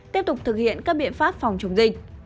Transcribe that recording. tiếp tục thực hiện các biện pháp phòng chống dịch